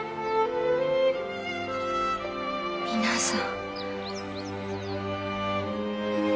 皆さん。